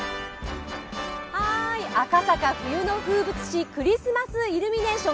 赤坂冬の風物詩、クリスマスイルミネーション